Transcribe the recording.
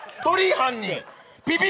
犯人。